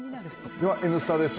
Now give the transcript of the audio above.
では「Ｎスタ」です。